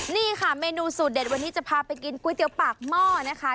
นี่ค่ะเมนูสูตรเด็ดวันนี้จะพาไปกินก๋วยเตี๋ยวปากหม้อนะคะ